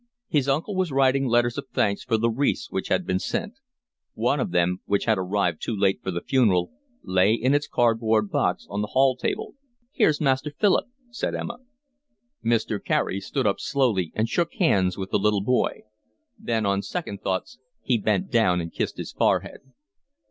His uncle was writing letters of thanks for the wreaths which had been sent. One of them, which had arrived too late for the funeral, lay in its cardboard box on the hall table. "Here's Master Philip," said Emma. Mr. Carey stood up slowly and shook hands with the little boy. Then on second thoughts he bent down and kissed his forehead.